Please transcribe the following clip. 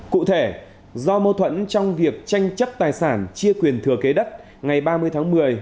cụ thể do mâu thuẫn trong việc tranh chấp tài sản chia quyền thừa kế đất ngày ba mươi tháng một mươi